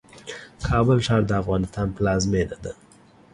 کابل ښار د افغانستان پلازمېنه ده